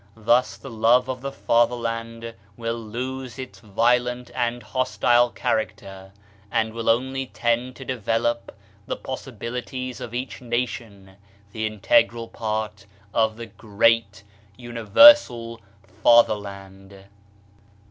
Thus the love of the fatherland will lose its violent and hostile character, and will only tend to develop the possibilities of each nation, the integral part of the Great Universal Fatherland.